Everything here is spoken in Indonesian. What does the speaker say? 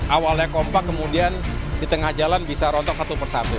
awalnya kompak kemudian di tengah jalan bisa rontok satu persatu